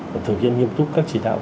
và thực hiện nghiêm túc các chỉ đạo